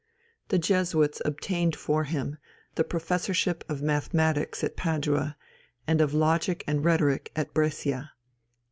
The Jesuits obtained for him the Professorship of Mathematics at Padua, and of Logic and Rhetoric at Brescia.